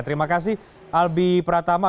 terima kasih albi pratama